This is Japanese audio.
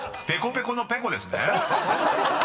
ペコペコのペコです。